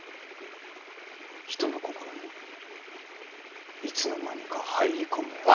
人の心にいつの間にか入り込むような。